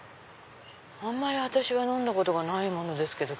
あんまり私は飲んだことがないものですけど。